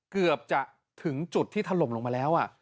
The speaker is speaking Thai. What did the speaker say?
เกือบจะถึงจุดที่ถล่มลงมาแล้ว